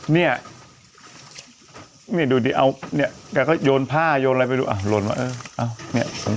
เนี่ยนี่ดูดิเอาเนี่ยแกก็โยนผ้าโยนอะไรไปดูอ่ะหล่นว่าเออเอาเนี่ย